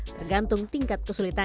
bergantung tingkat keseluruhan